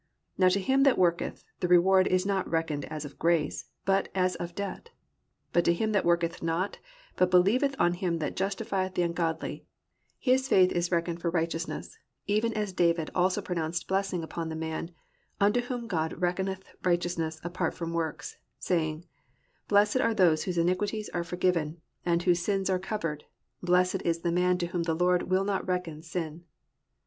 Now to him that worketh, the reward is not reckoned as of grace, but as of debt. But to him that worketh not, but believeth on him that justifieth the ungodly, his faith is reckoned for righteousness even as David also pronounced blessing upon the man unto whom God reckoneth righteousness apart from works, saying, blessed are they whose iniquities are forgiven, and whose sins are covered, blessed is the man to whom the Lord will not reckon sin."